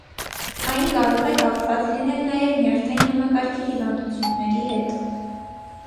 Այն կարող է կապված լինել նաև նյարդային համակարգի հիվանդությունների հետ։